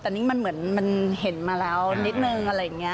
แต่นี่มันเหมือนมันเห็นมาแล้วนิดนึงอะไรอย่างนี้